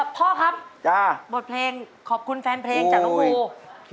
พ่อครับบทเพลงขอบคุณแฟนเพลงจากน้องครู